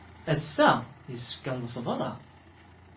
Ass-a, yessefk ad neḍḍes beṛṛa.